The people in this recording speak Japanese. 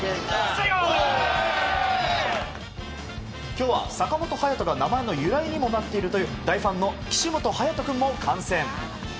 今日は坂本勇人の名前の由来にもなっているという大ファンの岸本勇人君も観戦。